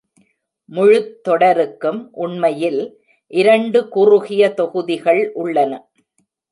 முழுத் தொடருக்கும் உண்மையில் இரண்டு குறுகிய தொகுதிகள் உள்ளன.